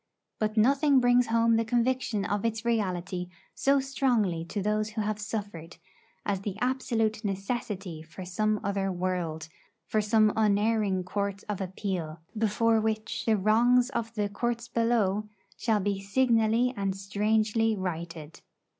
But nothing brings home the conviction of its reality so strongly to those who have suffered, as the absolute necessity for some other world; for some unerring court of appeal, before which the wrongs of 'the courts below' shall be signally and strangely righted.